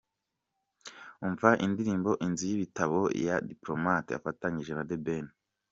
Umva indirimbo ’Inzu y’ibitabo" ya Diplomate afatanyije na The Ben.